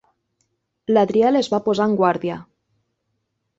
L'Adriel es va posar en guàrdia.